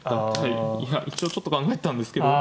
いや一応ちょっと考えてたんですけど。